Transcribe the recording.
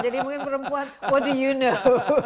jadi mungkin perempuan what do you know